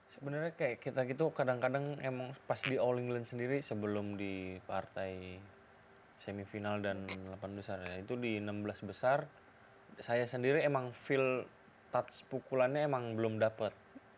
sebenarnya kayak kita gitu kadang kadang emang pas di all england sendiri sebelum di partai semifinal dan delapan besar itu di enam belas besar saya sendiri emang feel touch pukulannya emang belum dapat